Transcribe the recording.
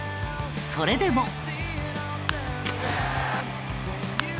それでも。